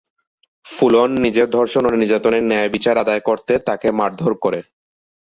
ফুলন নিজের ধর্ষণ ও নির্যাতনের ন্যায়বিচার আদায় করতে তাকে মারধর করে।